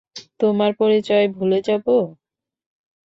তোমার পরিচয় ভুলে যাবো?